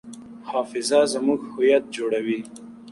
حافظه زموږ هویت جوړوي.